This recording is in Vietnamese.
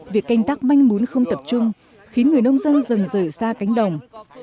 việc canh tác manh mún không tập trung khiến người nông dân dần rời xa cánh đồng